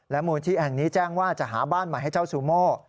มูลที่แห่งนี้แจ้งว่าจะหาบ้านใหม่ให้เจ้าซูโม่